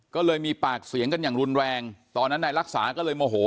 ก็เลยมีปากเสียงกันอย่างรุนแรงตอนนั้นนายรักษาก็เลยโมโห